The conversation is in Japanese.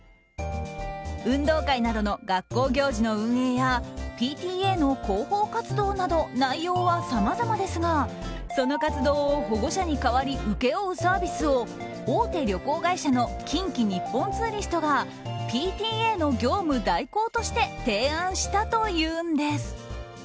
運動会などの学校行事の運営やＰＴＡの広報活動など内容はさまざまですがその活動を保護者に代わり請け負うサービスを大手旅行会社の近畿日本ツーリストがＰＴＡの業務代行として提案したというんです。